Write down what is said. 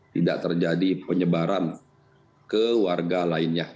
tidak terjadi penyebaran ke warga lainnya